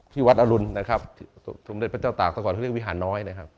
ที่วัดอรุณนะครับสมเด็จพระเจ้าตากซะก่อนเขาเรียกวิหารน้อยนะครับ